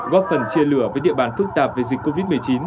góp phần chia lửa với địa bàn phức tạp về dịch covid một mươi chín